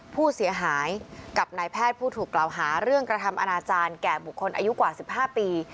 ผู้เสียหายกับนายแพทย์ผู้ถูกกล่าวหาเรื่องกระทำอนาจารย์แก่บุคคลอายุกว่า๑๕ปี